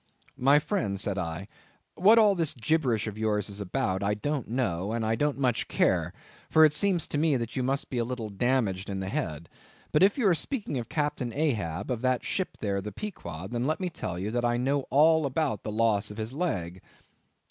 "My friend," said I, "what all this gibberish of yours is about, I don't know, and I don't much care; for it seems to me that you must be a little damaged in the head. But if you are speaking of Captain Ahab, of that ship there, the Pequod, then let me tell you, that I know all about the loss of his leg."